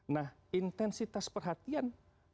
nah intensitas perhatian